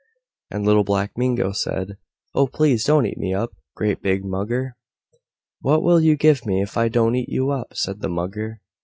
And Little Black Mingo said, "Oh! Please don't eat me up, great big Mugger." "What will you give me, if I don't eat you up?" said the Mugger.